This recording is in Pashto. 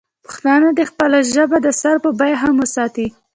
پښتانه دې خپله ژبه د سر په بیه هم وساتي.